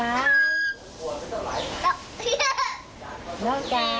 เอาเต็มเล็กตกไหม